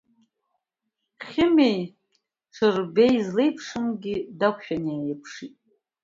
Хьымеи Ҽырбеи злеиԥшымгьы дақәшәан иааирԥшит.